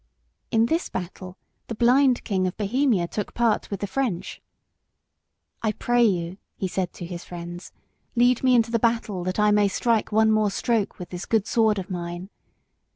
In this battle the blind king of Bohemia took part with the French. "I pray you," he said to his friends, "lead me into the battle that I may strike one more stroke with this good sword of mine."